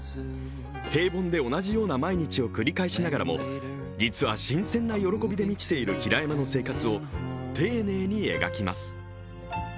平凡で同じような毎日を繰り返しながらも実は新鮮な喜びで満ちている平山の生活を丁寧に描きます。